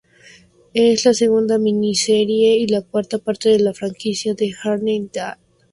Es la segunda miniserie y la cuarta parte de la franquicia de Arne Dahl.